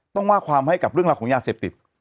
ต้องว่าความให้กับเรื่องราวของยาเสพติด